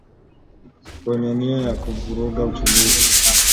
wenye nia ya kuvuruga utulivu